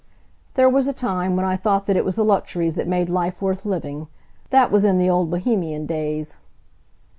There was a time when I thought that it was the luxuries that made life worth living. That was in the old Bohemian days.